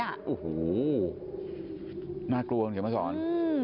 โอ้โหนะเยี่ยมมาสอน